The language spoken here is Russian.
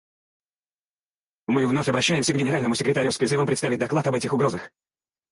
Мы вновь обращаемся к Генеральному секретарю с призывом представить доклад об этих угрозах.